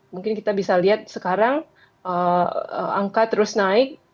mungkin kita bisa lihat sekarang angka terus naik